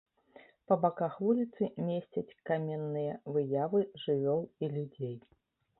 Па баках вуліцы месцяць каменныя выявы жывёл і людзей.